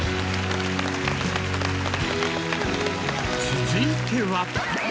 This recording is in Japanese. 続いては。